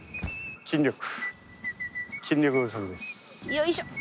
よいしょっ！